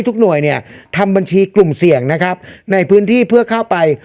ทุกหน่วยเนี่ยทำบัญชีกลุ่มเสี่ยงนะครับในพื้นที่เพื่อเข้าไป